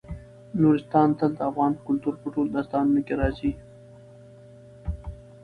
نورستان تل د افغان کلتور په ټولو داستانونو کې راځي.